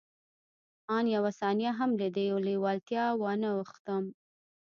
آن يوه ثانيه هم له دې لېوالتیا وانه وښتم.